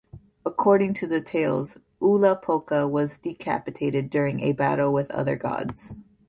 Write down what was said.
According to the tales, Ulupoka was decapitated during a battle with other gods.